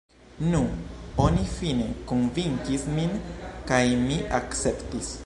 Nu, oni fine konvinkis min, kaj mi akceptis.